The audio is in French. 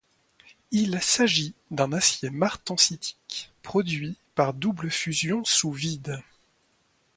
Il s'agit d'un acier martensitique produit par double fusion sous vide.